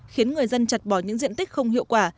khiến người dân chặt bỏ những diện tích không hiệu quả